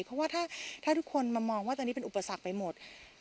เพราะว่าถ้าทุกคนมามองว่าตอนนี้เป็นอุปสรรคไปหมด